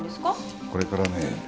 これからね